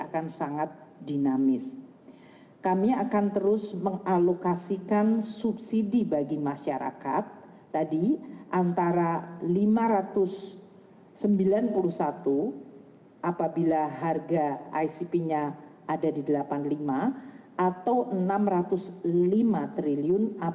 kenaikan rp tiga puluh lima triliun atau rp enam ratus lima triliun apabila harga icp di rp sembilan puluh sembilan triliun